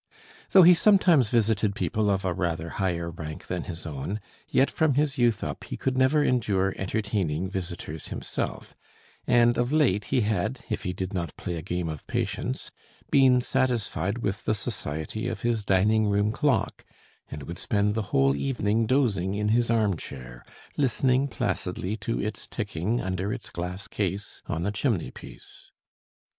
Though he sometimes visited people of a rather higher rank than his own, yet from his youth up he could never endure entertaining visitors himself; and of late he had, if he did not play a game of patience, been satisfied with the society of his dining room clock, and would spend the whole evening dozing in his arm chair, listening placidly to its ticking under its glass case on the chimney piece.